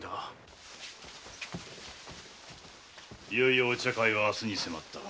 いよいよお茶会は明日に迫った。